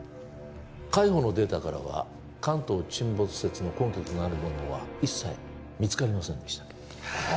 海保のデータからは関東沈没説の根拠となるものは一切見つかりませんでした